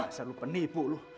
masih lu penipu lu